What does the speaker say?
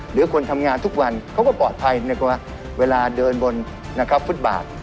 หรือคนทำงานทุกวันเขาก็ปลอดภัยในเวลาเดินบนนะครับฟุตบาท